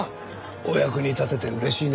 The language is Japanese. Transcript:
お役に立てて嬉しいね。